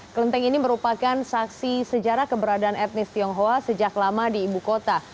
kelenteng ini merupakan saksi sejarah keberadaan etnis tionghoa sejak lama di ibu kota